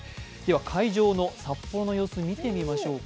会場の札幌の様子見てみましょうか。